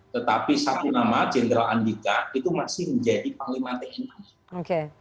tetapi satu nama jenderal andika itu masih menjadi panglima tni